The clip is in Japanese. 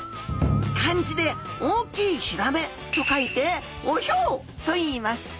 漢字で「大きい鮃」と書いて「オヒョウ」といいます。